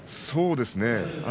そうですね。